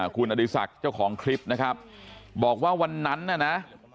คุณอดีศักดิ์เจ้าของคลิปนะครับบอกว่าวันนั้นน่ะนะ